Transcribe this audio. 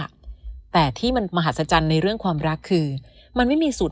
แต่ที่มันมหัศจรรย์ในเรื่องความรักคือมันไม่มีสูตร